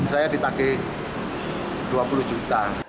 saya ditagih dua puluh juta